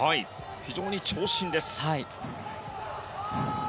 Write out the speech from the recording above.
非常に長身です。